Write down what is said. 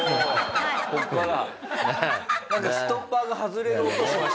なんかストッパーが外れる音しましたけどね。